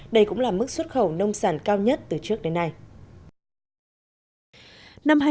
đây cũng là mức xuất khẩu nông sản cao nhất từ trước đến nay